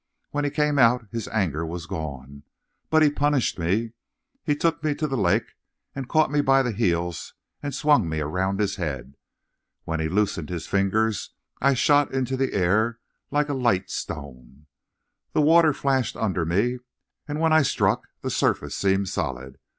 When he came out his anger was gone, but he punished me. He took me to the lake and caught me by the heels and swung me around his head. When he loosened his fingers I shot into the air like a light stone. The water flashed under me, and when I struck the surface seemed solid.